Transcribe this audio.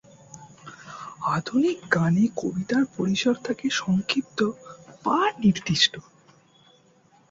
আধুনিক গানে কবিতার পরিসর থাকে সংক্ষিপ্ত বা নির্দিষ্ট।